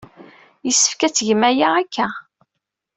Yessefk ad tgem aya akka.